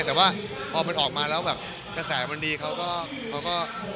แต่ว่าพอมันออกมาแล้วกระแสมันดีเขาก็ดีใจครับ